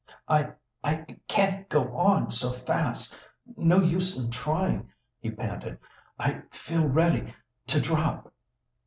"I I can't go on so fast, no use in trying!" he panted. "I feel ready to drop!"